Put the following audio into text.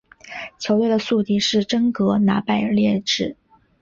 球队的宿敌是真格拿拜列治。